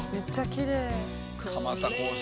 めっちゃきれい。